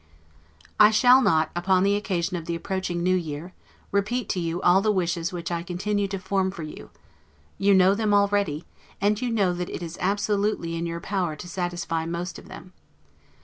I shall not, upon the occasion of the approaching new year, repeat to you the wishes which I continue to form for you; you know them all already, and you know that it is absolutely in your power to satisfy most of them.